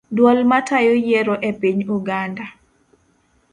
Duol matayo yiero epiny uganda